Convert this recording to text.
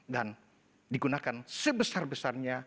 dan digunakan sebesar besarnya